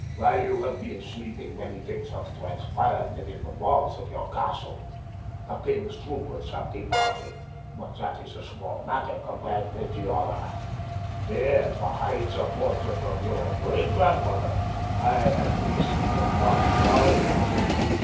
"While you have been sleeping many things have transpired within the walls of your castle. The king's troopers have departed; but that is a small matter compared with the other. Here, behind the portrait of your great grandmother, I have listened and watched all night.